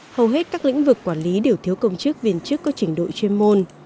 hầu hết các lĩnh vực quản lý đều thiếu công chức viên chức có trình độ chuyên môn